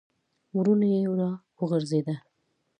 ورونه یې را وغورځېده.